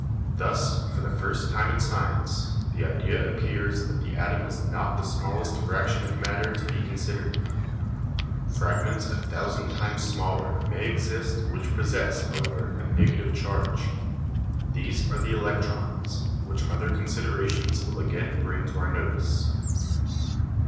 Thus, for the first time in science, the idea appears that the atom is not the smallest fraction of matter to be considered. Fragments a thousand times smaller may exist which possess, however, a negative charge. These are the electrons, which other considerations will again bring to our notice.